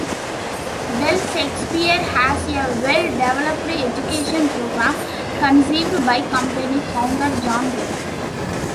Bell Shakespeare has a well-developed education program, conceived by company founder John Bell.